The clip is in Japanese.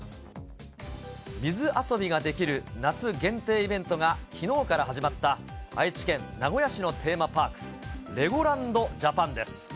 水遊びができる夏限定イベントがきのうから始まった、愛知県名古屋市のテーマパーク、レゴランド・ジャパンです。